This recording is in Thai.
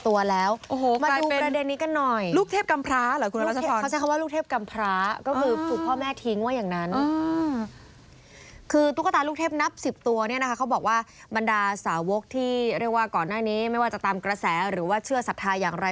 ว่าบรรดาสาวกที่เรียกว่าก่อนหน้านี้ไม่ว่าจะตามกระแสหรือว่าเชื่อสัทธาอย่างไร